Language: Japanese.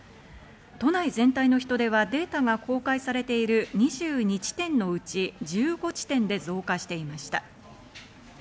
都内全体の人出は、データが公開されている２２地点のうち１５地点で増加していました。